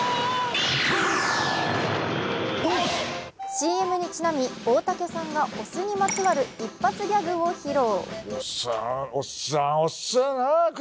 ＣＭにちなみ大竹さんがお酢にまつわる一発ギャグを披露。